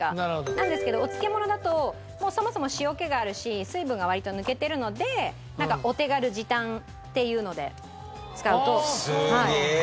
なんですけどお漬物だとそもそも塩気があるし水分が割と抜けてるのでお手軽時短っていうので使うといいみたい。